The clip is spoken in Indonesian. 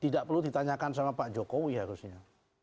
tidak perlu ditanyakan sama pak jokowi harusnya